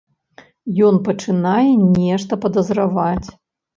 Ён пачынае нешта падазраваць.